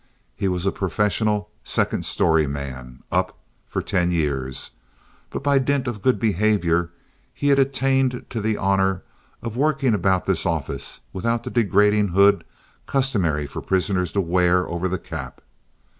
He was a professional "second story man," "up" for ten years, but by dint of good behavior he had attained to the honor of working about this office without the degrading hood customary for prisoners to wear over the cap.